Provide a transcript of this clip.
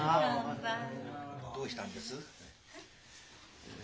どうしたんです？